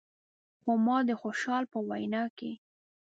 خو ما د خوشحال په وینا کې.